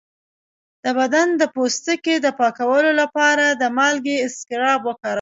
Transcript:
د بدن د پوستکي د پاکولو لپاره د مالګې اسکراب وکاروئ